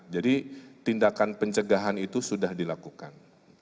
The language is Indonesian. jadi tindakan pencegahan itu sudah dilakukan